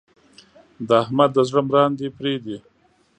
د احمد د زړه مراندې پرې دي.